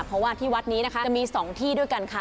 เพราะว่าที่วัดนี้นะคะจะมี๒ที่ด้วยกันค่ะ